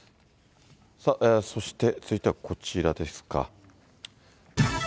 そして、続いてはこちらですか。